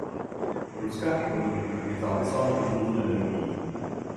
Ruská ekonomika je závislá na vývozu energií.